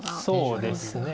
そうですね。